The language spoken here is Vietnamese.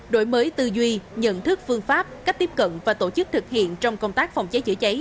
đổi mới tư duy nhận thức phương pháp cách tiếp cận và tổ chức thực hiện trong công tác phòng cháy chữa cháy